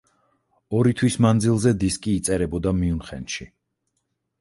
ორი თვის მანძილზე დისკი იწერებოდა მიუნხენში.